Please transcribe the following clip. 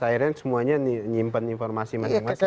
akhirnya semuanya nyimpan informasi masing masing